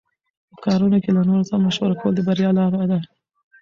په کارونو کې له نورو سره مشوره کول د بریا لاره ده.